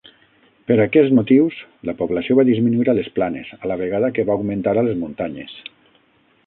Per aquests motius, la població va disminuir a les planes, a la vegada que va augmentar a les muntanyes.